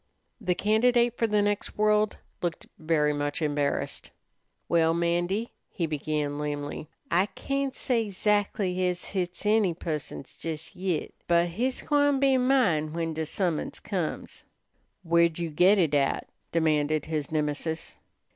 The candidate for the next world looked very much embarrassed. "Well, 'Mandy," he began lamely, "I can't say 'zactly ez hit's any pusson's jes yit. But hit's gwine be mine when de summons comes." "Where'd you git it at?" demanded his Nemesis.